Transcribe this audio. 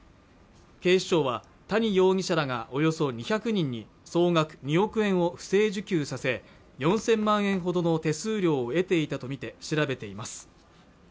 警視庁は谷容疑者らがおよそ２００人に総額２億円を不正受給させ４０００万円ほどの手数料を得ていたとみて調べています